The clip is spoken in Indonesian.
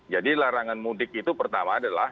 jadi larangan mudik itu pertama adalah